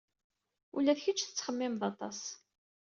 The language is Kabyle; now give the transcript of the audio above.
Ula d kečč tettxemmimeḍ aṭas.